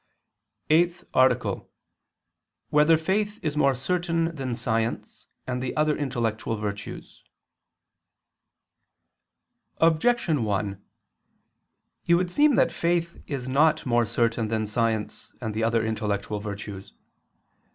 _______________________ EIGHTH ARTICLE [II II, Q. 4, Art. 8] Whether Faith Is More Certain Than Science and the Other Intellectual Virtues? Objection 1: It would seem that faith is not more certain than science and the other intellectual virtues.